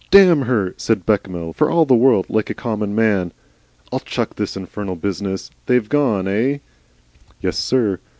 "Damn her," said Bechamel, for all the world like a common man. "I'll chuck this infernal business! They've gone, eigh?" "Yessir."